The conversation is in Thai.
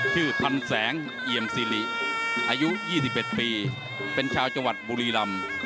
ชื่อทันแสงเอียมซีริอายุยี่สิบเป็นปีเป็นชาวจังหวัดบุรีรัม